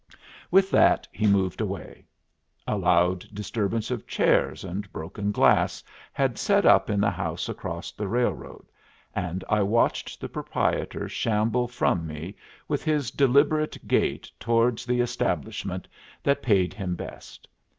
With that he moved away. A loud disturbance of chairs and broken glass had set up in the house across the railroad, and I watched the proprietor shamble from me with his deliberate gait towards the establishment that paid him best.